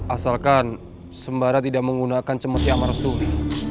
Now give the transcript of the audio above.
asalkan sembara tidak menggunakan cemetiamar suli